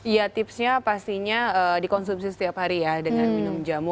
ya tipsnya pastinya dikonsumsi setiap hari ya dengan minum jamu